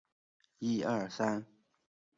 源自于加贺小学校旁日暮里山公园的稻荷。